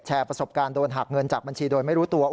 ประสบการณ์โดนหักเงินจากบัญชีโดยไม่รู้ตัว